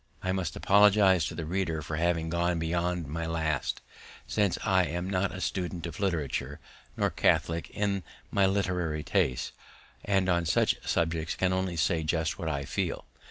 I must apologize to the reader for having gone beyond my last, since I am not a student of literature, nor catholic in my literary tastes, and on such subjects can only say just what I feel.